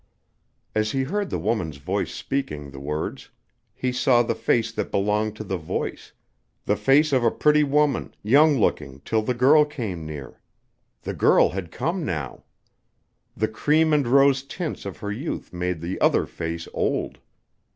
As he heard the woman's voice speaking the words, he saw the face that belonged to the voice: the face of a pretty woman, young looking till the girl came near.... The girl had come now! The cream and rose tints of her youth made the other face old.